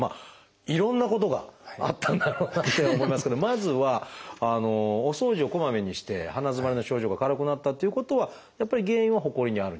いろんなことがあったんだろうなって思いますけどまずはお掃除をこまめにして鼻づまりの症状が軽くなったっていうことはやっぱり原因はほこりにあるんじゃないかと。